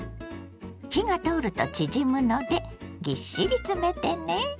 火が通ると縮むのでぎっしり詰めてね。